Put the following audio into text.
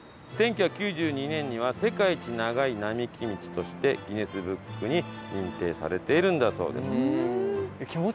１９９２年には世界一長い並木道として『ギネスブック』に認定されているんだそうです。